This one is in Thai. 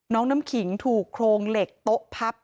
น้ำขิงถูกโครงเหล็กโต๊ะพับ